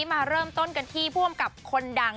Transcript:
มาเริ่มต้นกันที่ผู้อำกับคนดัง